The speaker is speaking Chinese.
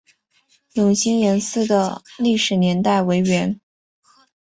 永兴岩寺的历史年代为元。